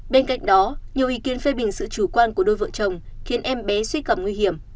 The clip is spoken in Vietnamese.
bên cạnh đó nhiều ý kiến phê bình sự chủ quan của đôi vợ chồng khiến em bé suy cảm nguy hiểm